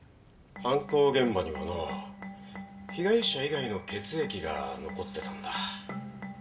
犯行現場にはな被害者以外の血液が残ってたんだ。